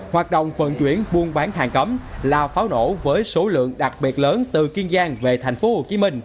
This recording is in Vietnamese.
hoạt động vận chuyển buôn bán hàng cấm là pháo nổ với số lượng đặc biệt lớn từ kiên giang về thành phố hồ chí minh